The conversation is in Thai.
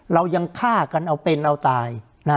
เรายังฆ่ากันเอาเป็นเอาตาย